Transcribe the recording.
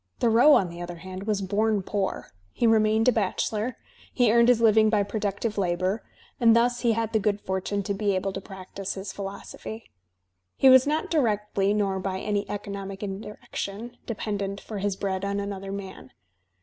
Thoreau, on the other hand, was bom poor; he remained a bachelor; he earned his living by productive labour; and thus he had the good fortune to be able to practise his philosophy. He was not directly, nor by any economic indirection, dependent for his bread on another man.